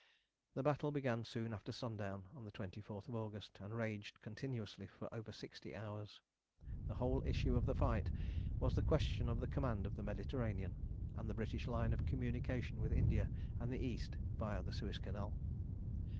The battle began soon after sundown on the 24th of August, and raged continuously for over sixty hours. The whole issue of the fight was the question of the command of the Mediterranean, and the British line of communication with India and the East viâ the Suez Canal.